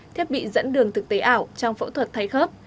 thiết bị dẫn đường thực tế ảo trong phẫu thuật thay khớp